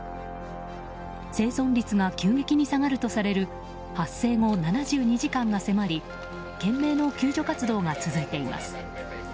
生存率が急激に下がるとされる発生後７２時間が迫り懸命の救助活動が続いています。